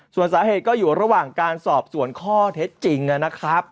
ส่วนสาเหตุก็อยู่ระหว่างการสอบสวนข้อเท็จจริงนะครับ